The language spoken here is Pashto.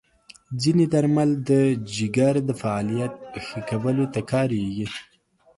ځینې درمل د جګر د فعالیت ښه کولو ته کارېږي.